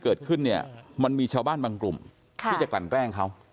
เกิดขึ้นเนี่ยมันมีชาวบ้านบางกลุ่มที่จะกลั่นแกล้งเขา